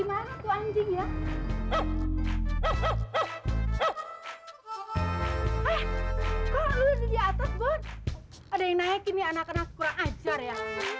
ada yang naikin nih anak anak kurang ajar ya